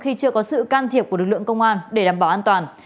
khi chưa có sự can thiệp của lực lượng công an để đảm bảo an toàn